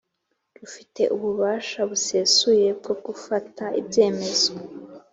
Rufite ububasha busesuye bwo gufata ibyemezo